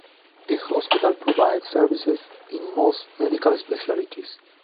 The hospital provides services in most medical specialities.